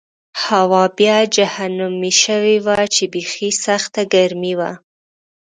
هوا بیا جهنمي شوې وه چې بېخي سخته ګرمي وه.